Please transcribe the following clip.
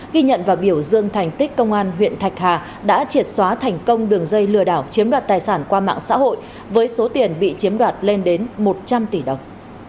ghi nhận và biểu dương thành tích công an huyện thạch hà đã triệt xóa thành công đường dây lừa đảo chiếm đoạt tài sản qua mạng xã hội với số tiền bị chiếm đoạt lên đến một trăm linh tỷ đồng